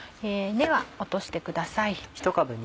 根は落としてください。